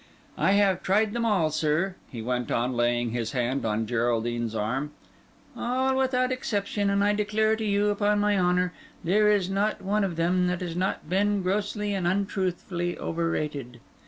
I have tried them all, sir," he went on, laying his hand on Geraldine's arm, "all without exception, and I declare to you, upon my honour, there is not one of them that has not been grossly and untruthfully overrated.